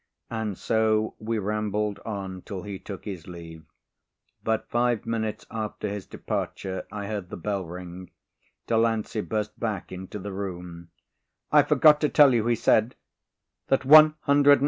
And so we rambled on till he took his leave. But five minutes after his departure I heard the bell ring. Delancey burst back into the room, "I forgot to tell you," he said, "that 185,000 copies of 'Transition' have sold."